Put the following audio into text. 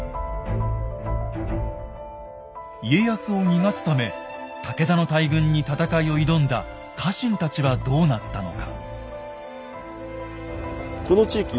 家康を逃がすため武田の大軍に戦いを挑んだ家臣たちはどうなったのか。